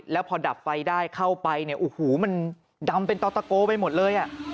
แล้วพอดับไฟได้เข้าไปเนี่ยโอ้โหมันดำเป็นต่อตะโกไปหมดเลยอ่ะ